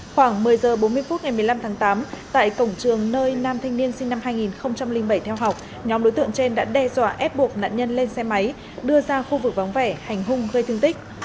khoảng một mươi h bốn mươi phút ngày một mươi năm tháng tám tại cổng trường nơi nam thanh niên sinh năm hai nghìn bảy theo học nhóm đối tượng trên đã đe dọa ép buộc nạn nhân lên xe máy đưa ra khu vực vắng vẻ hành hung gây thương tích